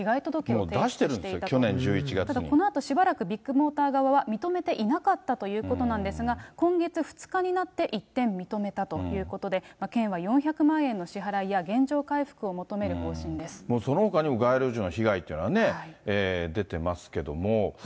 もう出してるんです、ただこのあとしばらく、ビッグモーター側は認めていなかったということなんですが、今月２日になって一転、認めたということで、県は４００万円の支払いや、そのほかにも街路樹の被害っていうのはね、出てますけども。